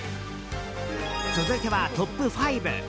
続いてはトップ５。